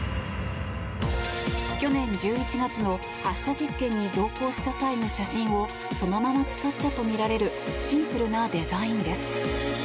去年１１月の発射実験に同行した際の写真をそのまま使ったとみられるシンプルなデザインです。